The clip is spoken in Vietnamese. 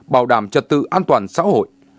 bảo đảm trật tự an toàn xã hội